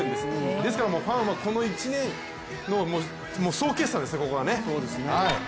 ですからファンはこの一年の総決算ですよね、ここはね。